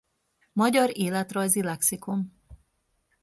Magyar életrajzi lexikon